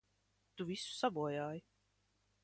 Tu visu sabojāji!